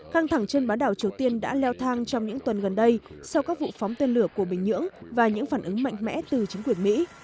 căng thẳng trên bán đảo triều tiên đã leo thang trong những tuần gần đây sau các vụ phóng tên lửa của bình nhưỡng và những phản ứng mạnh mẽ từ chính quyền mỹ